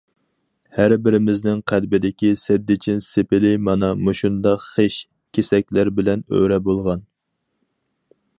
ھەربىرىمىزنىڭ قەلبىدىكى سەددىچىن سېپىلى مانا مۇشۇنداق خىش كېسەكلەر بىلەن ئۆرە بولغان.